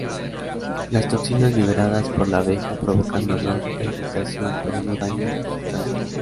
Las toxinas liberadas por la abeja provocan dolor e irritación, pero no daño sustancial.